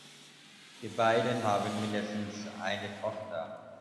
Die beiden haben mindestens eine Tochter.